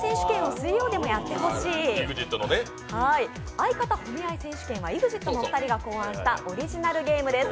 相方褒め合い選手権はＥＸＩＴのお二人が考案したオリジナルゲームです。